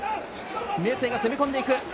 明生が攻め込んでいく。